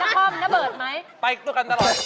เจอพี่บอลน่ะพ่อมีแน่บ่อยไหม